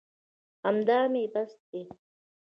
همدا مې بس دي.